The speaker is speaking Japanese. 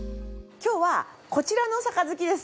今日はこちらの杯です。